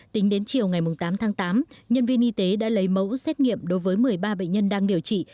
tính đến chiều ngày tám tháng tám nhân viên y tế đã lấy mẫu xét nghiệm đối với một mươi ba bệnh nhân đang điều trị